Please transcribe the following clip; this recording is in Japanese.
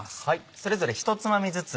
それぞれひとつまみずつ。